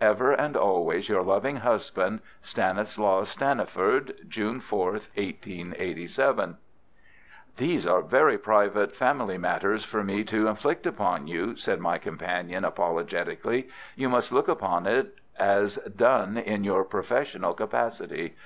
"Ever and always your loving husband, STANISLAUS STANNIFORD. "June 4th, 1887." "These are very private family matters for me to inflict upon you," said my companion, apologetically. "You must look upon it as done in your professional capacity.